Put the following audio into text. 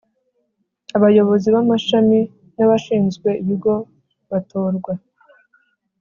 Abayobozi b amashami n Abashinzwe ibigo batorwa